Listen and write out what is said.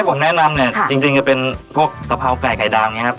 ไซ่ผมแนะนำนี่จริงเอาเป็นพวกกะเพราไก่ไข่ดาวอย่างเนียครับ